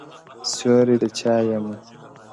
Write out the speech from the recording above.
سیوری د چایمه؟ -